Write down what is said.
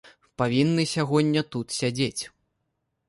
Павінны сягоння тут сядзець.